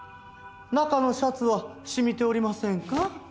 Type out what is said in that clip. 中のシャツは染みておりませんか？